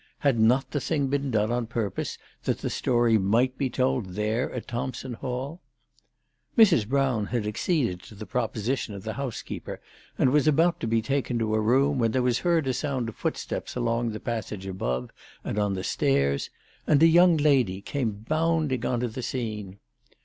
Had not the thing been done on purpose that the story might be told there at Thompson Hall ? Mrs. Brown had acceded to the proposition of the housekeeper, and was about to be taken to her room when there was heard a sound of footsteps along the passage above and on the stairs, and a young lady came bounding on to the scene.